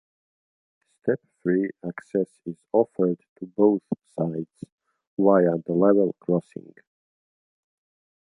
Step-free access is offered to both sides via the level crossing.